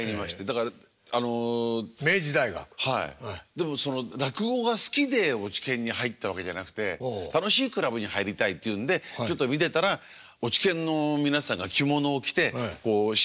でもその落語が好きで落研に入ったわけじゃなくて楽しいクラブに入りたいっていうんでちょっと見てたら落研の皆さんが着物を着て新入生の勧誘をしてるんですよ。